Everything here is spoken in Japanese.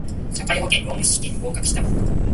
社会保険労務士試験に合格した者